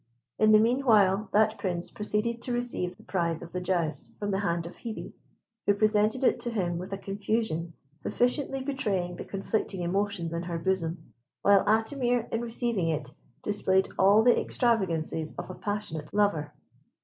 In the meanwhile that Prince proceeded to receive the prize of the joust from the hand of Hebe, who presented it to him with a confusion sufficiently betraying the conflicting emotions in her bosom; while Atimir, in receiving it, displayed all the extravagancies of a passionate lover.